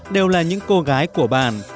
đều là những cô gái của bạn